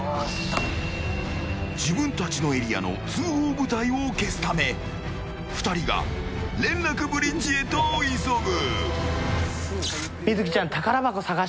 自分たちのエリアの通報部隊を消すため２人が連絡ブリッジへと急ぐ。